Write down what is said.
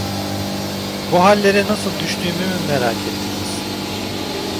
Bu hallere nasıl düştüğümü mü merak ettiniz?